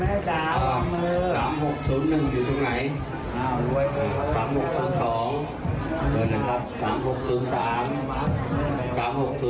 พาทุกข์ต่อไปคุณแม่จ้า